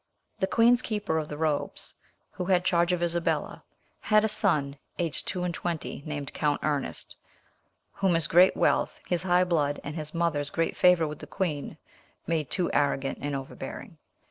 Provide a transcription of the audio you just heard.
The queen's keeper of the robes, who had charge of Isabella, had a son aged two and twenty, named Count Ernest, whom his great wealth, his high blood, and his mother's great favour with the queen, made too arrogant and overbearing.